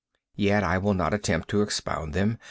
Yet I will not attempt to expound them.